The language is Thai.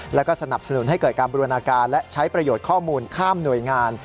แล้วก็สนับสนุนให้เกิดการบูรณาการและใช้ประโยชน์ข้อมูลข้ามหน่วยงาน